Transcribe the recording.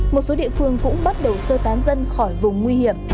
một số địa phương cũng bắt đầu sơ tán dân khỏi vùng nguy hiểm